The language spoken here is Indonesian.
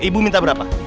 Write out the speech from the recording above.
ibu minta berapa